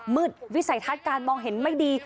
วิสัยทัศน์การมองเห็นไม่ดี